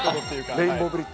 レインボーブリッジ。